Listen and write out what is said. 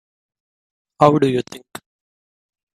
How do you think?